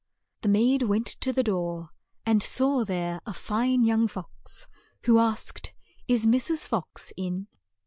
The maid went to the door, and saw there a fine young fox, who asked, "Is Mrs. Fox in?"